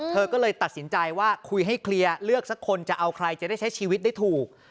เธอก็เลยตัดสินใจว่าคุยให้เคลียร์เลือกสักคนจะเอาใครจะได้ใช้ชีวิตได้ถูก